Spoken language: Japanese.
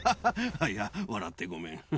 あっいや笑ってごめん。